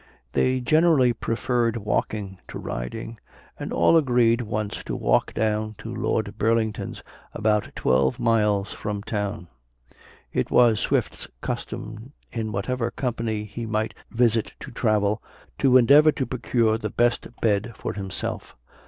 They generally preferred walking to riding, and all agreed once to walk down to Lord Burlington's about twelve miles from town. It was Swift's custom in whatever company he might visit to travel, to endeavor to procure the best bed for himself.